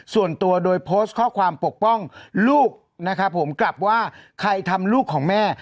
ส่วนตัวโดยโพสต์ข้อความปกป้องลูกนะครับผมกลับว่าใครทำลูกของแม่